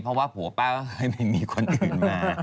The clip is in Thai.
เพราะว่าปัวก็ไม่มีคนอื่นมา